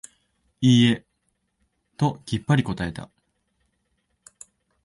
いいえ、ときっぱり答えた。